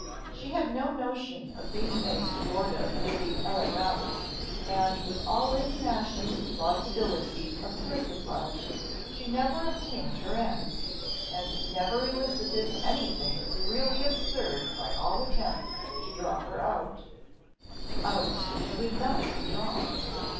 She had no notion of being made sport of for the élégantes, and, with all Lady Masham's plausibility of persiflage, she never obtained her end, and never elicited anything really absurd by all attempts to draw her out out she would not be drawn.